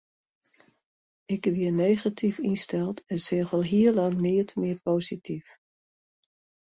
Ik wie negatyf ynsteld en seach al hiel lang neat mear posityf.